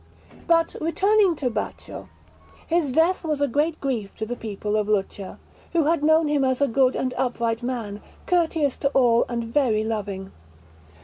But returning to Baccio: his death was a great grief to the people of Lucca, who had known him as a good and upright man, courteous to all, and very loving.